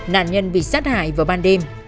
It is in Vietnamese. nạn nhân bị sát hại vào ban đêm